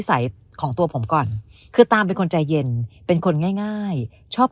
ใสของตัวผมก่อนคือตามเป็นคนใจเย็นเป็นคนง่ายง่ายชอบ